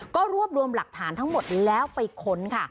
ก็รวบรวมหลักฐานทั้งหมดแล้วไปค้นค่ะ